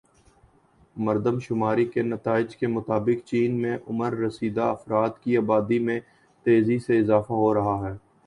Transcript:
مردم شماری کے نتائج کے مطابق چین میں عمر رسیدہ افراد کی آبادی میں تیزی سے اضافہ ہو رہا ہے